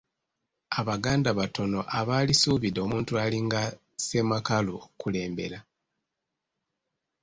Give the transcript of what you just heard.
Abaganda batono abaalisuubidde omuntu alinga Ssemakalu okukulembera.